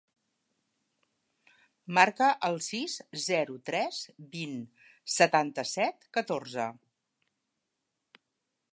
Marca el sis, zero, tres, vint, setanta-set, catorze.